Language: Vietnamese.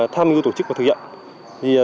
tham mưu tổ chức và thực hiện